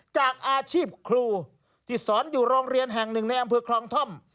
จากอาชีพครูที่สอนอยู่โรงเรียนแห่งหนึ่งในอำเภอคลองท่อม